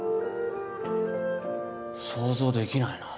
想像できないな。